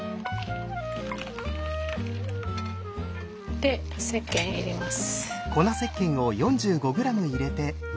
でせっけん入れます。